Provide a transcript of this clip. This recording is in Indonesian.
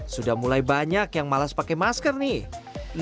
sudah mulai banyak yang malas pakai masker nih